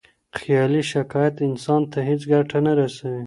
خیالي شکایت انسان ته هیڅ ګټه نه رسوي.